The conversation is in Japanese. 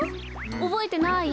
おぼえてない？